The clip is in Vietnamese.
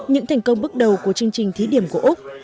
những thành công bước đầu của chương trình thí điểm của úc